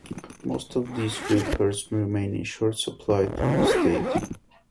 Most of these records remain in short supply to this date.